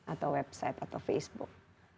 atau website atau facebook